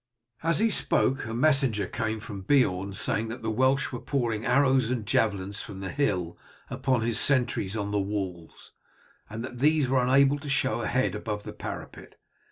As he spoke a messenger came from Beorn, saying that the Welsh were pouring arrows and javelins from the hill upon his sentries on the walls, and that these were unable to show a head above the parapet.